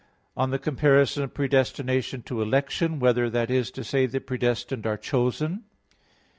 (4) On the comparison of predestination to election; whether, that is to say, the predestined are chosen?